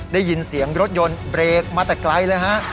ได้ยินเสียงรถยนต์เบรกมาแต่ไกลเลยฮะ